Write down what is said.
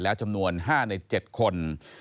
แล้วจำนวน๕ใน๗คน